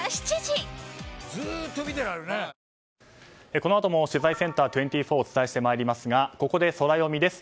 このあとも取材ｃｅｎｔｅｒ２４をお伝えしてまいりますがここでソラよみです。